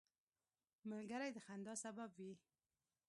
ملګری د خندا سبب وي